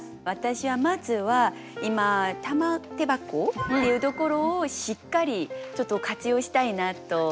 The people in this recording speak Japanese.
私はまずは今「玉手箱」っていうところをしっかりちょっと活用したいなと。